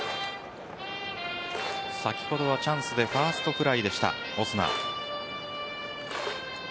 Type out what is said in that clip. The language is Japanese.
先ほどはチャンスでファーストフライでした、オスナ。